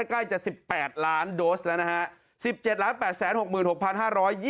ใกล้จะ๑๘ล้านโดสแล้วนะฮะ